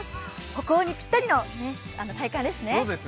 北欧にぴったりの体感ですね。